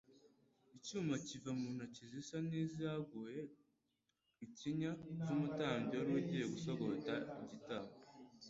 Icyuma kiva mu ntoki zisa n'izaguye ikinya z'umutambyi wari ugiye gusogota igitambo,